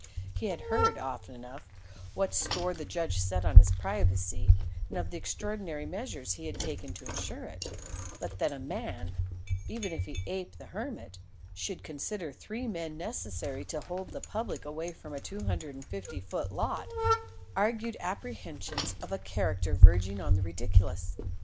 He had heard, often enough, what store the judge set on his privacy and of the extraordinary measures he had taken to insure it, but that a man, even if he aped the hermit, should consider three men necessary to hold the public away from a two hundred and fifty foot lot argued apprehensions of a character verging on the ridiculous.